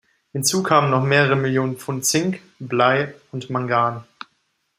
Hinzu kamen noch mehrere Millionen Pfund Zink, Blei und Mangan.